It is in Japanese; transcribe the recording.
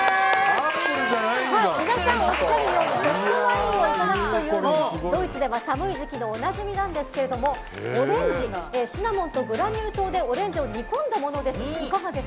皆さんおっしゃるようにホットワインをいただくというのもドイツでは寒い時期におなじみなんですけどもオレンジシナモンとグラニュー糖でオレンジを煮込んだものです。